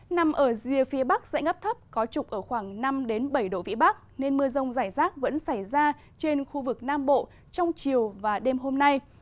nằm ở rìa phía bắc dãy ngắp thấp có trục ở khoảng năm bảy độ vĩ bắc nên mưa rông rải rác vẫn xảy ra trên khu vực nam bộ trong chiều và đêm hôm nay